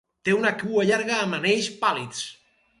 Té una cua llarga amb anells pàl·lids.